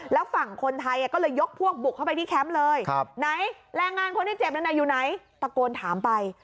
แล้วฝั่งคนไทยก็เลยยกพวกบุกเข้าไปที่แคมป์เลยไหนแรงงานคนที่เจ็บนั้นอยู่ไหนตะโกนถามไป